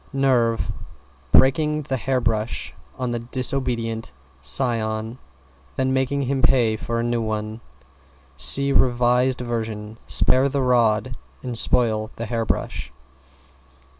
=NERVE= Breaking the hair brush on the disobedient scion, then making him pay for a new one. See revised version, "Spare the rod and spoil the hair brush!"